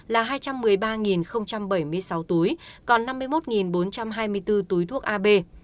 là hai trăm một mươi ba bảy mươi sáu túi còn năm mươi một bốn trăm hai mươi bốn túi thuốc ab